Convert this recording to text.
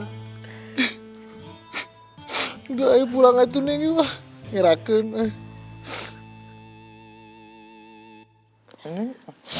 udah pulang aja neng ya ngeraken neng